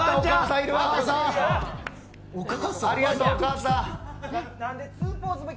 ありがとう、お母さん。